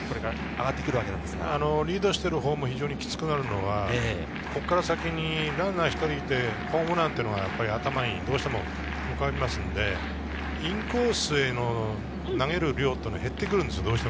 リードしているほうもきつくなるのが、ここから先、ランナー１人いてホームランというのが頭にどうしても浮かびますので、インコースへの投げる量は減ってくるんです。